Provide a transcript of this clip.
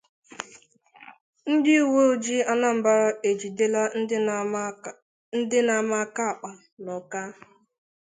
Ndị Uwe Ojii Anambra Ejidela Ndị Na-Ama Aka Àkpà n'Awka